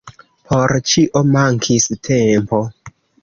Por ĉio mankis tempo.